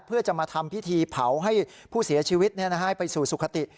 เพื่อจะมาทำพิธีเผาให้ผู้เสียชีวิตไปสู่สุขติ